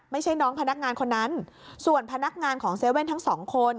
ไม่ใช่น้องพนักงานคนนั้นส่วนพนักงานของ๗๑๑ทั้งสองคน